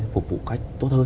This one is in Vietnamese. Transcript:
phục vụ khách tốt hơn